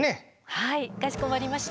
はいかしこまりました。